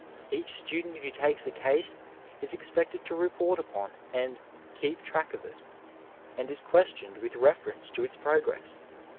Each student who takes a case is expected to report upon and '' keep track " of it, and is questioned with refer ence to its progress.